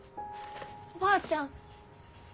おばあちゃん。